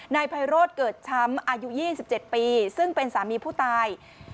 นายไพโรธเกิดช้ำอายุ๒๗ปีซึ่งเป็นสามีผู้ตาย